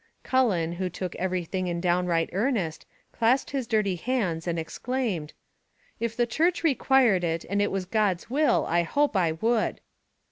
Cullen, who took everything in downright earnest, clasped his dirty hands, and exclaimed, "If the church required it, and it was God's will, I hope I would."